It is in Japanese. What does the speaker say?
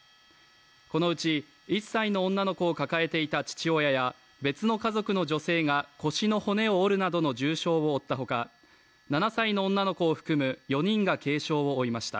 このうち１歳の女の子を抱えていた父親や別の家族の女性が腰の骨を折るなどの重傷を負ったほか７歳の女の子を含む４人が軽傷を負いました。